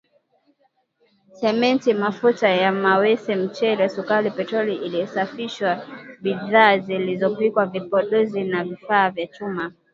Simenti mafuta ya mawese mchele sukari petroli iliyosafishwa bidhaa zilizopikwa vipodozi na vifaa vya chuma